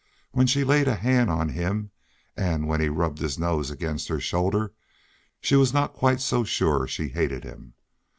When she laid a hand on him and when he rubbed his nose against her shoulder she was not quite so sure she hated him.